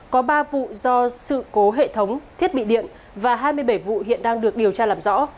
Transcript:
có ba vụ do sự cố hệ thống thiết bị điện và hai mươi bảy vụ hiện đang được điều tra làm rõ